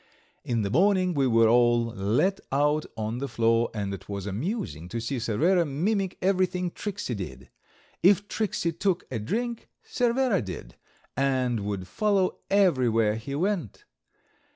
In the morning we were all let out on the floor, and it was amusing to see Cervera mimic everything Tricksey did. If Tricksey took a drink Cervera did, and would follow everywhere he went.